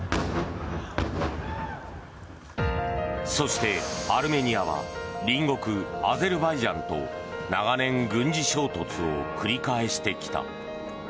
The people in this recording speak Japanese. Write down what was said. そして、アルメニアは隣国アゼルバイジャンと長年、軍事衝突を繰り返してきた。